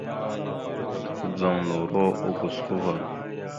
Kudzaŋ noro ogusko va.